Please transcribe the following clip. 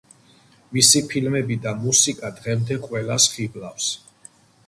მისი ფილმები და მუსიკა დღემდე ყველას ხიბლავს.